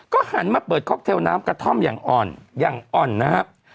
ก็หันมาเปิดคอคเทลน้ำกะท่อนอย่างอ่อนนะครับ